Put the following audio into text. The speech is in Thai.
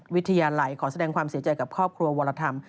วิทยาลัยขอแสดงความเสียใจกับครอบครัววรธรรม